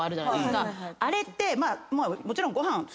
あれってもちろんご飯